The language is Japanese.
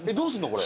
これ。